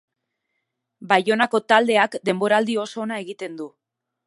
Baionako taldeak denboraldi oso ona egiten du.